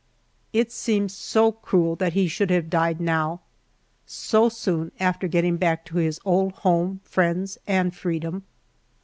It seems so cruel that he should have died now, so soon after getting back to his old home, friends, and freedom.